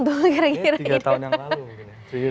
tiga tahun yang lalu mungkin ya